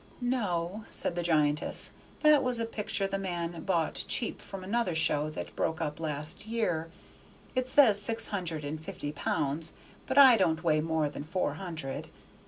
"No," said the giantess, "that was a picture the man bought cheap from another show that broke up last year. It says six hundred and fifty pounds, but I don't weigh more than four hundred.